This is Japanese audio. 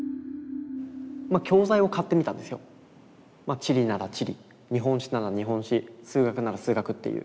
地理なら地理日本史なら日本史数学なら数学っていう。